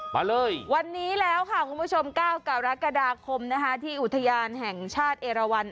มาเลยวันนี้แล้วค่ะคุณผู้ชม๙กรกฎาคมนะคะที่อุทยานแห่งชาติเอราวัน